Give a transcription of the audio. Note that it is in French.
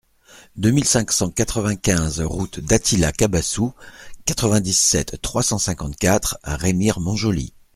deux mille cinq cent quatre-vingt-quinze route d'Attila Cabassou, quatre-vingt-dix-sept, trois cent cinquante-quatre à Remire-Montjoly